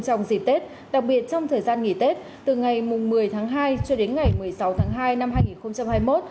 trong dịp tết đặc biệt trong thời gian nghỉ tết từ ngày một mươi tháng hai cho đến ngày một mươi sáu tháng hai năm hai nghìn hai mươi một